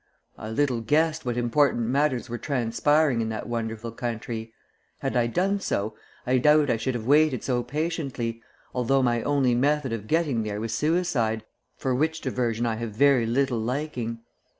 I little guessed what important matters were transpiring in that wonderful country. Had I done so, I doubt I should have waited so patiently, although my only method of getting there was suicide, for which diversion I have very little liking.